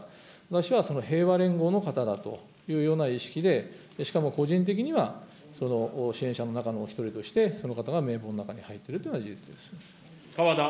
私は平和連合の方だというような意識で、しかも個人的には、支援者の中のお一人として、その方が名簿の中に入っているというのは事実です。